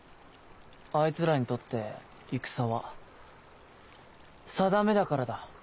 あいつらにとって戦はさだめだからだ。